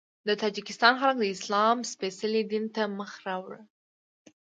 د تاجکستان خلک د اسلام سپېڅلي دین ته مخ راوړ.